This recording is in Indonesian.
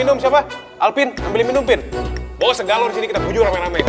ustadz saya keseru